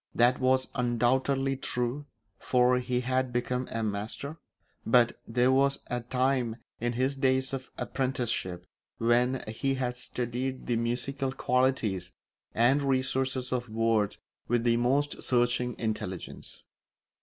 That was undoubtedly true, for he had become a master; but there was a time, in his days of apprenticeship, when he had studied the musical qualities and resources of words with the most searching intelligence.